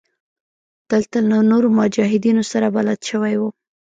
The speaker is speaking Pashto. دلته له نورو مجاهدينو سره بلد سوى وم.